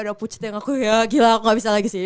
udah pucet ya aku ya gila aku gak bisa lagi sih